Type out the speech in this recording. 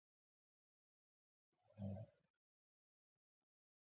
زما چپس الوګان خوښيږي.